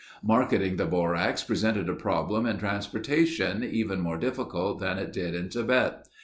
Marketing the borax presented a problem in transportation even more difficult than it did in Tibet.